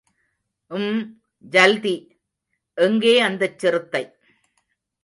ம், ஜல்தி... எங்கே அந்தச் சிறுத்தை?